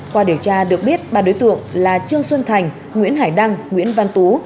qua điều tra được biết ba đối tượng là trương xuân thành nguyễn hải đăng nguyễn văn tú